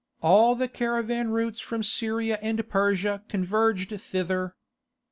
All the caravan routes from Syria and Persia converged thither.